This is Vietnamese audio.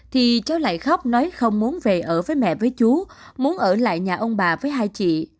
thì cháu lại khóc nói không muốn về ở với mẹ với chú muốn ở lại nhà ông bà với hai chị